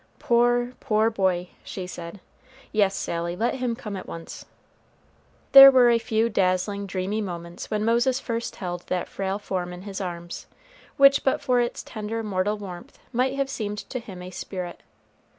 "Poor, poor boy!" she said. "Yes, Sally, let him come at once." There were a few dazzling, dreamy minutes when Moses first held that frail form in his arms, which but for its tender, mortal warmth, might have seemed to him a spirit.